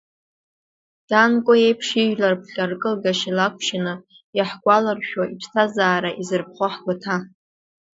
Данко иеиԥш ижәлар ԥхьа ркылгашьа лакәшьаны, иаҳгәаларшәо иԥсҭазаара изырԥхо ҳгәаҭа.